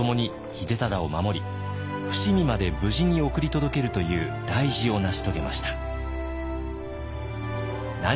伏見まで無事に送り届けるという大事を成し遂げました。